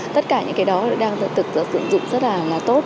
tất cả những cái đó đang tự dụng rất là tốt